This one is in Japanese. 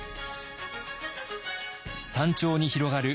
山頂に広がる